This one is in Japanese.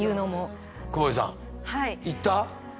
久保井さん行った？